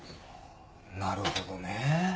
なるほどね。